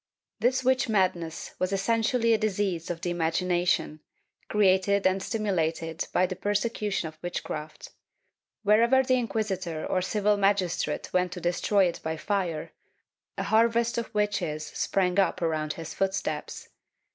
This witch madness was essentially a disease of the imagination, created and stimulated by the persecution of witchcraft. Where ever the inquisitor or civil magistrate went to destroy it by fire, a harvest of witches sprang up around his footsteps.